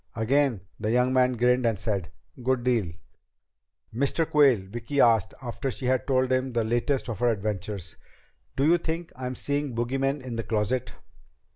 Again the young man grinned and said, "Good deal!" "Mr. Quayle," Vicki asked, after she had told the latest of her adventures, "do you think I'm seeing bogeymen in the closet?"